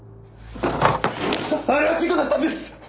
あれは事故だったんです！